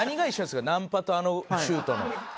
ナンパとあのシュートの。